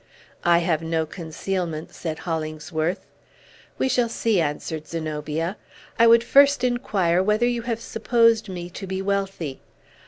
"I have no concealments," said Hollingsworth. "We shall see," answered Zenobia. "I would first inquire whether you have supposed me to be wealthy?"